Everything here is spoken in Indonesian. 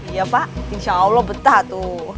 iya pak insya allah betah tuh